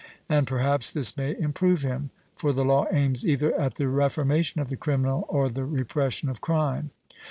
And perhaps this may improve him: for the law aims either at the reformation of the criminal, or the repression of crime.